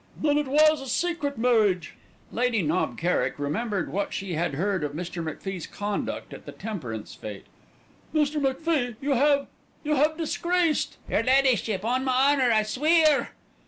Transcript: "Then it was a secret marriage." Lady Knob Kerrick remembered what she had heard of Mr. MacFie's conduct at the temperance fête. "Mr. MacFie, you have you have disgraced " "Your Leddyship, on ma honour, I sweear